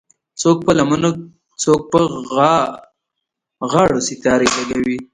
څوک په لمنو څوک په غاړو ستارې لګوي